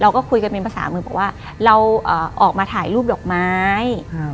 ก็คุยกันเป็นภาษามือบอกว่าเราออกมาถ่ายรูปดอกไม้